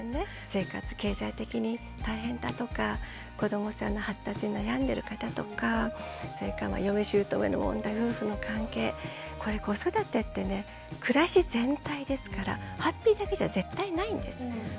生活経済的に大変だとか子どもさんの発達に悩んでる方とかそれから嫁姑の問題夫婦の関係これ子育てってね暮らし全体ですからハッピーだけじゃ絶対ないんです。